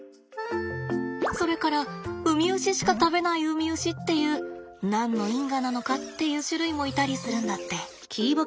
それからウミウシしか食べないウミウシっていう何の因果なのかっていう種類もいたりするんだって。